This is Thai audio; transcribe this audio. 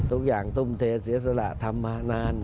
ทุกอย่างทุมเทเซียสัราภาคมานาน